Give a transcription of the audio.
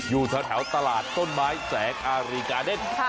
อยู่แถวตลาดต้นไม้แสงอารีกาเดน